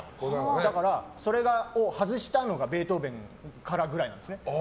それを外したのがベートーベンからくらいなんです。